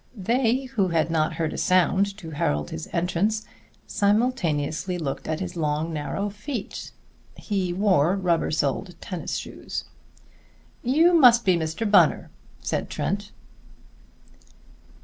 They, who had not heard a sound to herald this entrance, simultaneously looked at his long, narrow feet. He wore rubber soled tennis shoes. "You must be Mr. Bunner," said Trent.